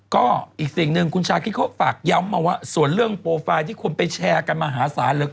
ก็อีกสิ่งหนึ่งคุณชาคิดเขาฝากย้ำมาว่าส่วนเรื่องโปรไฟล์ที่คนไปแชร์กันมหาศาลเหลือเกิน